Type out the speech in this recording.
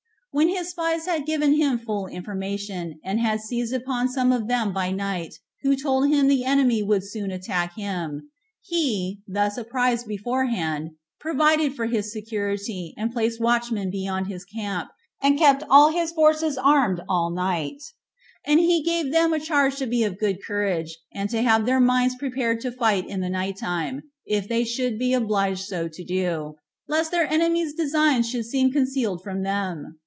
When his spies had given him full information, and had seized upon some of them by night, who told him the enemy would soon attack him, he, thus apprized beforehand, provided for his security, and placed watchmen beyond his camp, and kept all his forces armed all night; and he gave them a charge to be of good courage, and to have their minds prepared to fight in the night time, if they should be obliged so to do, lest their enemy's designs should seem concealed from them.